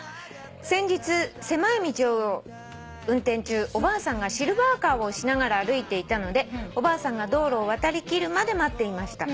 「先日狭い道を運転中おばあさんがシルバーカーを押しながら歩いていたのでおばあさんが道路を渡りきるまで待っていました」